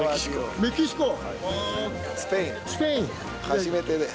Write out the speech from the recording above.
初めてです。